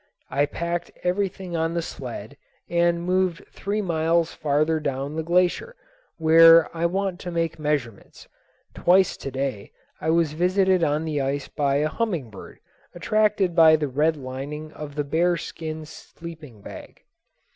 I packed everything on the sled and moved three miles farther down the glacier, where I want to make measurements. Twice to day I was visited on the ice by a hummingbird, attracted by the red lining of the bear skin sleeping bag.